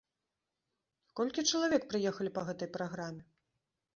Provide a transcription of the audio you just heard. Колькі чалавек прыехалі па гэтай праграме?